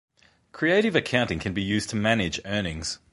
Creative accounting can be used to manage earnings.